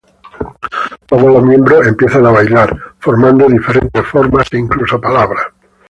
Todos los miembros empiezan a bailar, formando diferentes formas e incluso palabras.